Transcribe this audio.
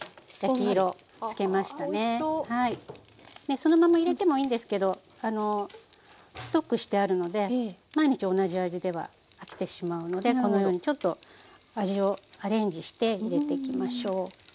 そのまま入れてもいいんですけどストックしてあるので毎日同じ味では飽きてしまうのでこのようにちょっと味をアレンジして入れていきましょう。